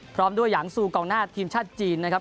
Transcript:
พร้อมด้วยหลังซูกองหน้าทีมชาติจีนนะครับ